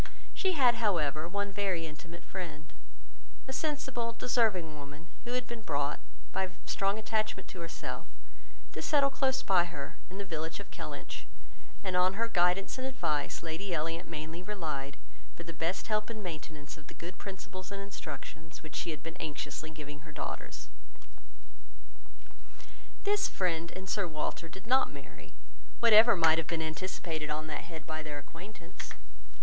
She had, however, one very intimate friend, a sensible, deserving woman, who had been brought, by strong attachment to herself, to settle close by her, in the village of Kellynch; and on her kindness and advice, Lady Elliot mainly relied for the best help and maintenance of the good principles and instruction which she had been anxiously giving her daughters. This friend, and Sir Walter, did not marry, whatever might have been anticipated on that head by their acquaintance.